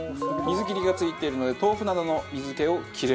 水切りが付いているので豆腐などの水気を切れる。